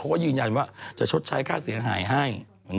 เขาก็ยืนยันว่าจะชดใช้ค่าเสียหายให้